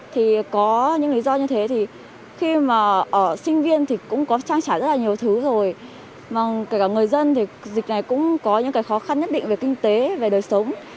thì có những lý do như thế thì khi mà ở sinh viên thì cũng có trang trải rất là nhiều thứ rồi kể cả người dân thì dịch này cũng có những cái khó khăn nhất định về kinh tế về đời sống